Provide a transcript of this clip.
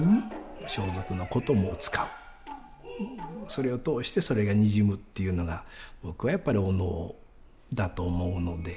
それを通してそれがにじむっていうのが僕はやっぱりお能だと思うので。